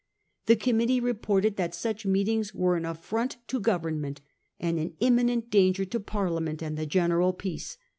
The committee reported that such meetings were an affront to government, and an imminent danger to Parliament and the general peace.